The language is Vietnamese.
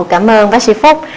cảm ơn bác sĩ phúc